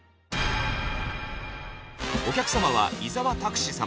お客様は伊沢拓司様。